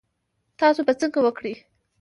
تاسو به څنګه وکړی؟